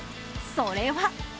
それは。